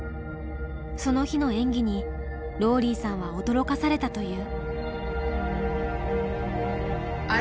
その日の演技にローリーさんは驚かされたという。